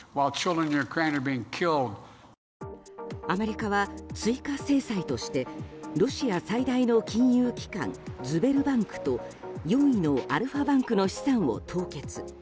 アメリカは追加制裁としてロシア最大の金融機関ズベルバンクと４位のアルファバンクの資産を凍結。